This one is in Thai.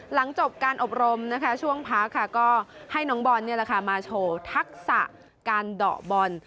หลังจบการอบรมช่วงพักก็ให้น้องบอลมาโชว์ทักษะการเดาะบอล